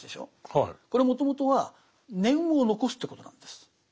これもともとは念を残すということなんです。